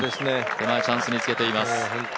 手前チャンスにつけています。